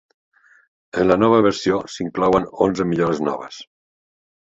En la nova versió, s'inclouen onze millores noves.